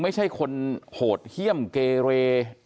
ไม่ใช่คนโหดเยี่ยมเกเร